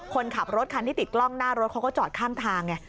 คนขับรถคันที่ติดกล้องหน้ารถเขาก็จอดข้างทางไง